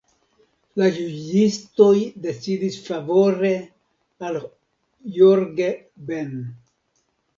La juĝistoj decidis favore al Jorge Ben.